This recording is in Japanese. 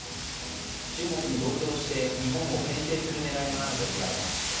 中国に同調して、日本を牽制する狙いがあるとみられます。